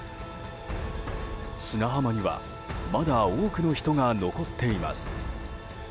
砂浜にはまだ多くの人が残っています。